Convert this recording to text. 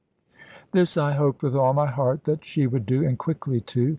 This I hoped with all my heart that she would do, and quickly too.